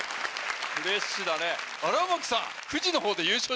フレッシュだね。